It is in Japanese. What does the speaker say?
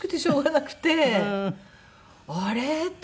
あれ？って。